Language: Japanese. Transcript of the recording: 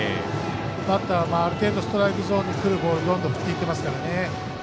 バッターもある程度ストライクゾーンに来るボールをどんどん振っていますから。